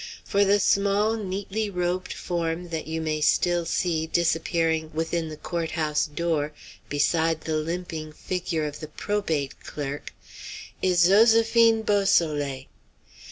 For the small, neatly robed form that you may still see disappearing within the court house door beside the limping figure of the probate clerk is Zoséphine Beausoleil.